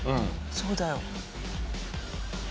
そうだよ。